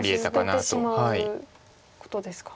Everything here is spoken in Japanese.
捨ててしまうことですか。